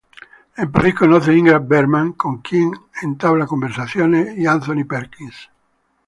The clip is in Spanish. En París conoce a Ingrid Bergman con quien entabla conversaciones y Anthony Perkins.